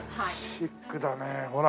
シックだねほら。